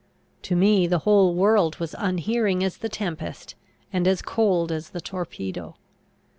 To me the whole world was unhearing as the tempest, and as cold as the torpedo.